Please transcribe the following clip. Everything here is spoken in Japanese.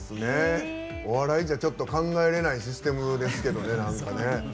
お笑いじゃちょっと考えれないシステムですけどね何かね。